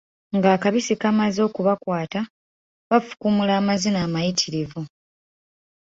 Ng'akabisi kamaze okubakwata, baafukumula amazima amayitirivu,